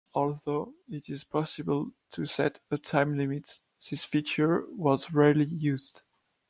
Although it is possible to set a time limit, this feature was rarely used.